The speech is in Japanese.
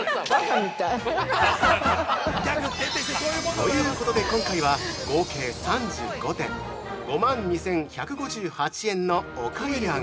◆ということで今回は合計３５点５万２１５８円のお買い上げ！